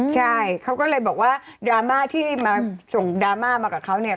ใช่เขาก็เลยบอกว่าดราม่าที่มาส่งดราม่ามากับเขาเนี่ย